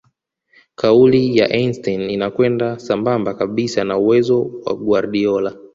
kauli ya Einstein inakwenda sambamba kabisa na uwezo wa Guardiola